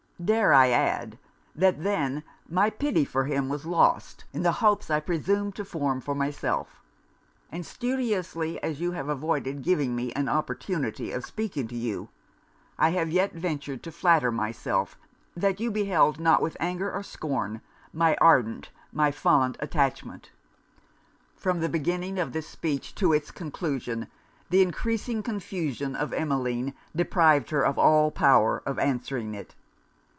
Dare I add that then, my pity for him was lost in the hopes I presumed to form for myself; and studiously as you have avoided giving me an opportunity of speaking to you, I have yet ventured to flatter myself that you beheld not with anger or scorn, my ardent, my fond attachment.' From the beginning of this speech to it's conclusion, the encreasing confusion of Emmeline deprived her of all power of answering it.